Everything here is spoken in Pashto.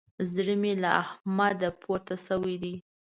زړه مې له احمده پورته سوی دی.